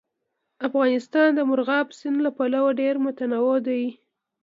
افغانستان د مورغاب سیند له پلوه ډېر متنوع دی.